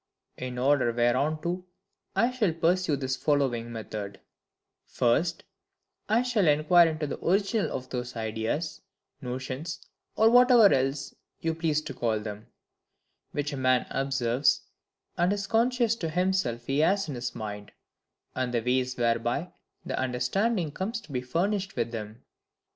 In order whereunto I shall pursue this following method:— First, I shall inquire into the original of those ideas, notions, or whatever else you please to call them, which a man observes, and is conscious to himself he has in his mind; and the ways whereby the understanding comes to be furnished with them.